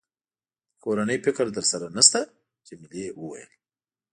د کورنۍ فکر در سره نشته؟ جميلې وويل:.